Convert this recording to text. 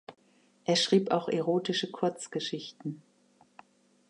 Er schrieb auch erotische Kurzgeschichten.